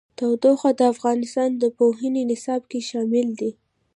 تودوخه د افغانستان د پوهنې نصاب کې شامل دي.